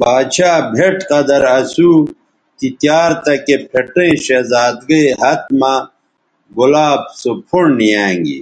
باڇھا بھئٹ قدر اسو تی تیار تکے پھٹیئں شہزادگئ ھت مہ گلاب سو پھنڈ یانگی